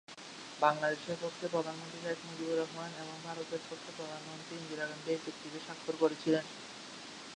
বাংলাদেশের পক্ষে প্রধানমন্ত্রী শেখ মুজিবুর রহমান এবং ভারতের পক্ষে প্রধানমন্ত্রী ইন্দিরা গান্ধী এই চুক্তিতে স্বাক্ষর করেছিলেন।